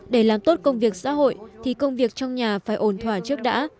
để làm tốt công việc xã hội thì công việc trong nhà phải ổn thỏa trước đã